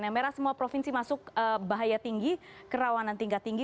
nah merah semua provinsi masuk bahaya tinggi kerawanan tingkat tinggi